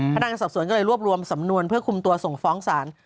พนักงานสอบสวนก็เลยรวบรวมสำนวนเพื่อคุมตัวส่งฟ้องศาล